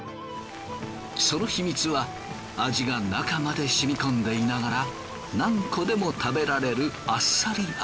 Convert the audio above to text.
その秘密は味が中までしみ込んでいながら何個でも食べられるあっさり味。